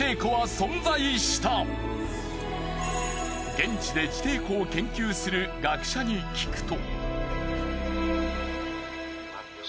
現地で地底湖を研究する学者に聞くと。